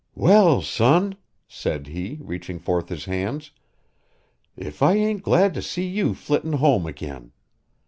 "Well, son," said he, reaching forth his hands, "If I ain't glad to see you flitting home again!